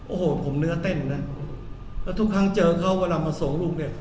โอ้โหผมเนื้อเต้นนะแล้วทุกครั้งเจอเขาเวลามาส่งลุงเนี่ย